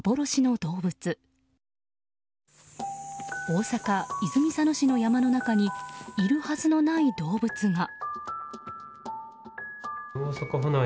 大阪・泉佐野市の山の中にいるはずのない動物が。